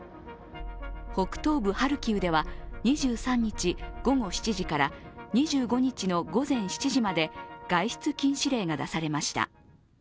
北東部ハルキウでは２３日午後７時から２５日の午前７時まで外出禁止令が出されました。